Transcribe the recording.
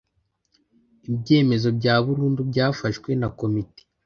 ibyemezo bya burundu byafashwe na komite